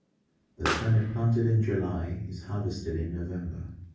The turnip planted in July is harvested in November.